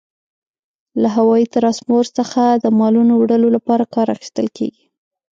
له هوايي ترانسپورت څخه د مالونو وړلو لپاره کار اخیستل کیږي.